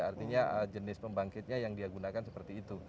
artinya jenis pembangkitnya yang dia gunakan seperti itu